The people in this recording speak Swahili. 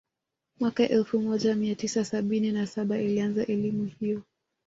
Mwaka elfu moja mia tisa sabini na saba alianza elimu hiyo